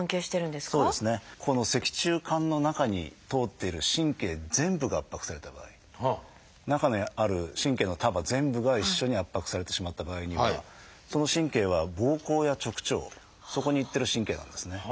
ここの脊柱管の中に通っている神経全部が圧迫された場合中にある神経の束全部が一緒に圧迫されてしまった場合にはその神経はぼうこうや直腸そこに行ってる神経なんですね。